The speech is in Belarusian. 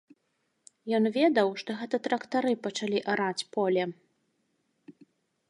Ён ведаў, што гэта трактары пачалі араць поле.